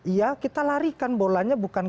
iya kita larikan bolanya bukan